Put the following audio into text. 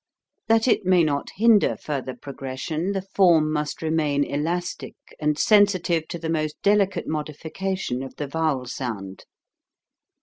That it may not hinder further progression, the form must remain elastic and sensitive to the most delicate EQUALIZING THE VOICE. FORM 61 modification of the vowel sound.